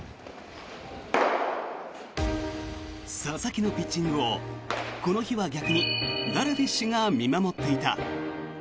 佐々木のピッチングをこの日は逆にダルビッシュが見守っていた。